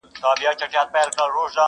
د زمري غوښي خوراک د ده شوتل وه.!